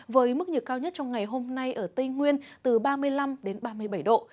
với mức nhiệt cao nhất trong ngày hôm nay ở tây nguyên từ ba mươi năm đến ba mươi bảy độ